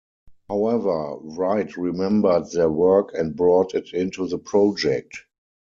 However, Wright remembered their work and brought it into the project.